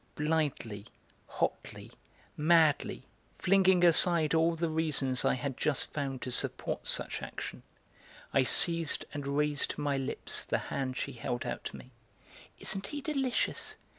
Blindly, hotly, madly, flinging aside all the reasons I had just found to support such action, I seized and raised to my lips the hand she held out to me. "Isn't he delicious!